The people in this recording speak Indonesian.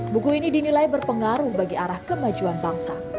buku ini dinilai berpengaruh bagi arah kemajuan bangsa